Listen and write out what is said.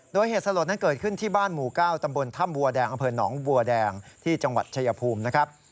โดยเหตุสลดนั้นเกิดขึ้นที่บ้านหมู่๙ตำบลถ้ำบัวแดงอำเภอหนองบัวแดงที่จังหวัดชายภูมินะครับ